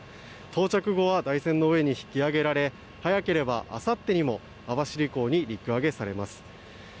到着後は台船の上に引き揚げられ早ければあさってにも網走港に陸揚げされます。